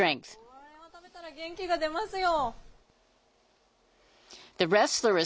これは食べたら元気が出ますよ。